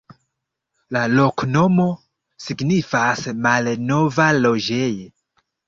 La loknomo signifas: malnova-loĝej'.